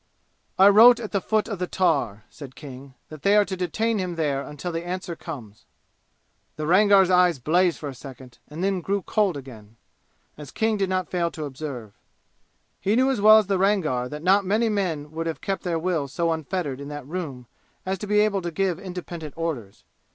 "I wrote at the foot of the tar," said King, "that they are to detain him there until the answer comes." The Rangar's eyes blazed for a second and then grew cold again (as King did not fail to observe). He knew as well as the Rangar that not many men would have kept their will so unfettered in that room as to be able to give independent orders.